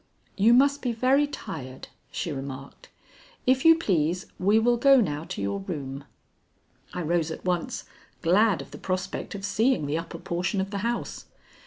"You must be very tired," she remarked. "If you please we will go now to your room." I rose at once, glad of the prospect of seeing the upper portion of the house.